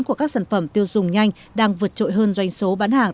của các sản phẩm tiêu dùng nhanh đang vượt trội hơn doanh số bán hàng